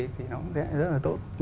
thì nó cũng sẽ rất là tốt